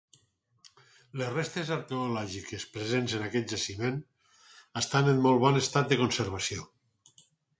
Les restes arqueològiques presents en aquest jaciment estan en molt bon estat de conservació.